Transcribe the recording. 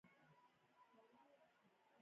د ملي بودیجې څومره برخه کورنۍ ده؟